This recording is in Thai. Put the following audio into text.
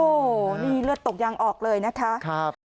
โอ้โหนี่เลือดตกยังออกเลยนะคะ